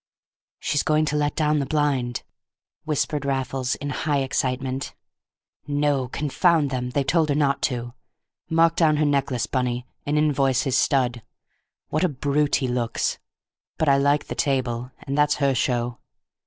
"She's going to let down the blind!" whispered Raffles, in high excitement. "No, confound them, they've told her not to. Mark down her necklace, Bunny, and invoice his stud. What a brute he looks! But I like the table, and that's her show.